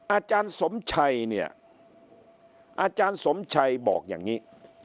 อาจารย์สมชัยเนี่ยอาจารย์สมชัยบอกอย่างนี้